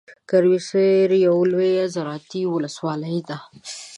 ګرمسیر یوه لویه زراعتي ولسوالۍ ده .